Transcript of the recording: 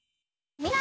みんな！